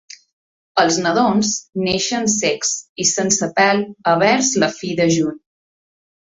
Els nadons neixen cecs i sense pèl a vers la fi de juny.